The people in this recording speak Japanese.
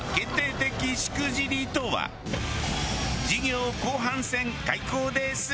授業後半戦開講です。